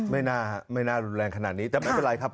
ไม่น่ารุนแรงขนาดนี้แต่ไม่เป็นไรครับ